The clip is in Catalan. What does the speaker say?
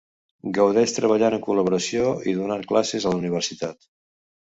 Gaudeix treballant en col·laboració, i donant classes a la universitat.